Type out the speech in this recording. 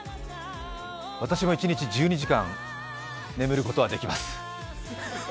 私も一日１２時間眠ることはできます。